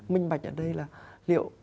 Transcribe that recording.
minh bạch ở đây là liệu